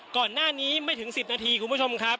ก่อนหน้านี้ไม่ถึงสิบนาทีครับคุณผู้ชม